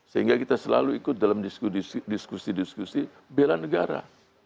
sehingga kita selalu ikut dalam diskusi diskusi bela negara